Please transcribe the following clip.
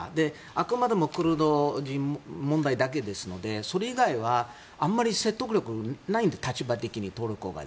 あくまでもクルド人問題だけですのでそれ以外はあまり説得力がないので立場的にトルコが。